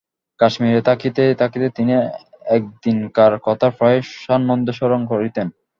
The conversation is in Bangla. কাশ্মীরে থাকিতে থাকিতেই তিনি একদিনকার কথা প্রায়ই সানন্দে স্মরণ করিতেন।